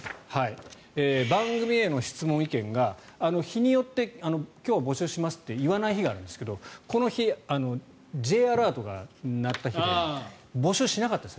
番組への質問・意見が日によって今日は募集しますと言わない日があるんですがこの日、Ｊアラートが鳴った日で募集しなかったんです